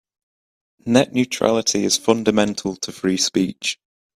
Net neutrality is fundamental to free speech.